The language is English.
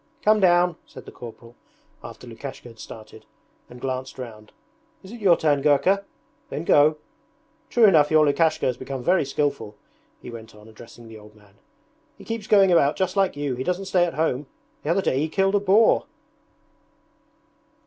'Come down!' said the corporal, after Lukashka had started, and glanced round. 'Is it your turn, Gurka? Then go ... True enough your Lukashka has become very skilful,' he went on, addressing the old man. 'He keeps going about just like you, he doesn't stay at home. The other day he killed a boar.'